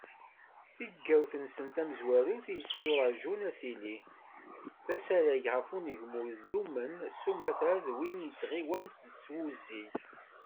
Tigawt-nsen tamezwarut i yetturaǧun ad tili, d asarag ɣef unegmu idumen s umata d win n tɣiwant s wuzzig.